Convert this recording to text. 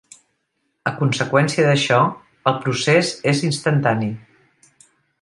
A conseqüència d'això, el procés és "instantani".